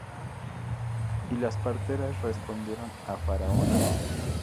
Y las parteras respondieron á Faraón.